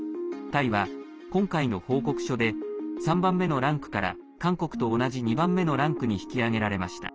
タイは、今回の報告書で３番目のランクから韓国と同じ２番目のランクに引き上げられました。